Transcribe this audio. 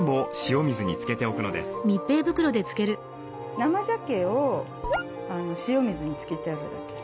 生ジャケを塩水に漬けてあるだけ。